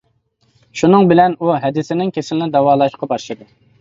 شۇنىڭ بىلەن ئۇ ھەدىسىنىڭ كېسىلىنى داۋالاشقا باشلىدى.